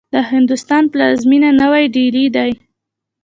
د هندوستان پلازمېنه نوې ډيلې دې.